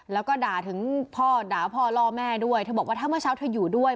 แล้วก็ด่าถึงพ่อด่าพ่อล่อแม่ด้วยเธอบอกว่าถ้าเมื่อเช้าเธออยู่ด้วย